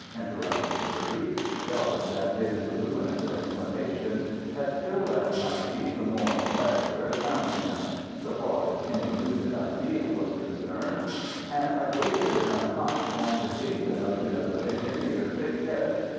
interrupted Kirby, jarred that his luminous explanations had still left Najib more or less where it found him, so far as any lucid idea was concerned. "And I've wasted enough time trying to ding the notion of the thing into your thick head.